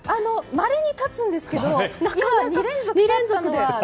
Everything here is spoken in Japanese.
まれに立つんですけど２連続は。